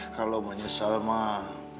kalau menyesel mah